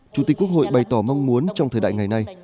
chủ tịch quốc hội bày tỏ mong muốn trong thời đại ngày nay